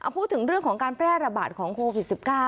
พูดถึงเรื่องของการแพร่ระบาดของโควิด๑๙